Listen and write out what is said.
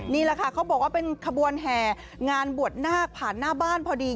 นี่แหละค่ะเขาบอกว่าเป็นขบวนแห่งานบวชนาคผ่านหน้าบ้านพอดี